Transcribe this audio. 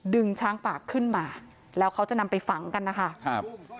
ดึงช้างป่าขึ้นมาแล้วเขาจะนำไปฝังกันนะคะครับ